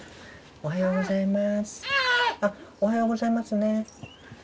おはようございます。